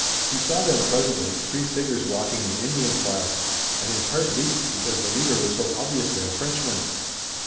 He saw them presently, three figures walking in Indian file, and his heart leaped because the leader was so obviously a Frenchman.